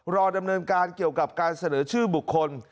รอดำเนินการเกี่ยวกับการเสนอชื่อบุคคล